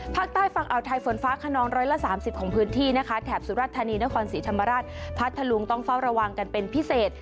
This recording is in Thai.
ภาคใต้ฝั่งอ่าวไทยฝนฟ้าขนองร้อยละ๓๐ของพื้นที่นะคะแถบสุรธานีนครศรีธรรมราชพัทธลุงต้องเฝ้าระวังกันเป็นพิเศษ